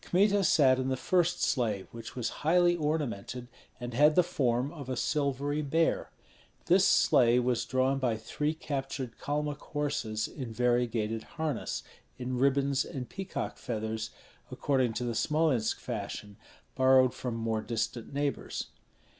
Kmita sat in the first sleigh, which was highly ornamented and had the form of a silvery bear. This sleigh was drawn by three captured Kalmuk horses in variegated harness, in ribbons and peacock feathers, according to the Smolensk fashion, borrowed from more distant neighbors.